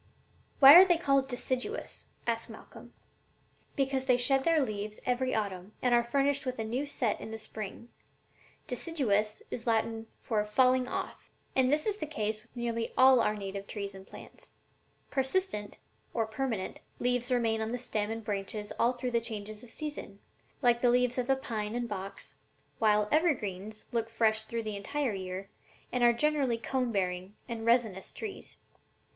"And why are they called deciduous?" asked Malcolm. "Because they shed their leaves every autumn and are furnished with a new set in the spring: 'deciduous' is Latin for 'falling off.' And this is the case with nearly all our native trees and plants. Persistent, or permanent, leaves remain on the stem and branches all through the changes of season, like the leaves of the pine and box, while evergreens look fresh through the entire year and are generally cone bearing and resinous trees.